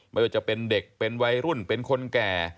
ไม่ว่าจะเป็นเด็กเป็นวัยรุ่นเป็นคนแก่